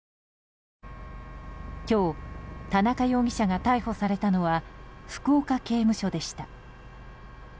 今日田中容疑者が逮捕されたのは福岡刑務所でした。